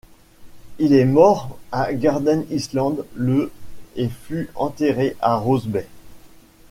Il est mort à Garden Island le et fut enterré à Rose Bay.